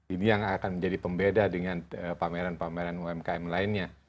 ini yang akan menjadi pembeda dengan pameran pameran umkm lainnya